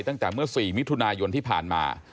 ตั้งแต่เมื่อ๔มิถุนายนที่ผ่านมา